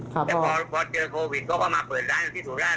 แต่พอเจอโควิดก็มาเปิดร้านอยู่ที่ถูกร่าน